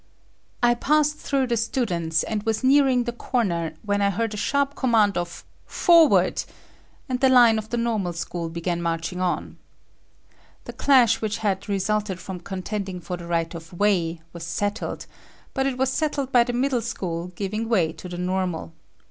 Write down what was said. I passed through the students, and was nearing the corner, when I heard a sharp command of "Forward!" and the line of the normal school began marching on. The clash which had resulted from contending for the right of way was settled, but it was settled by the middle school giving way to the normal.